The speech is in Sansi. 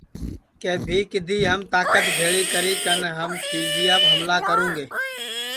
کہ بھی کِدھی ہم تاکت بھیݪی کری کن ہم کھیلچیاپ ہملہ کروُنگے